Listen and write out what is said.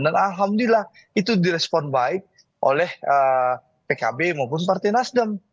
dan alhamdulillah itu direspon baik oleh pkb maupun partai nasdam